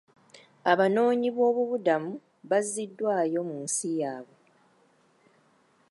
Abanoonyiboobubudamu bazziddwayo mu nsi yaabwe.